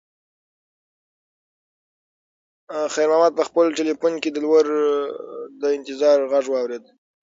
خیر محمد په خپل تلیفون کې د لور د انتظار غږ واورېد.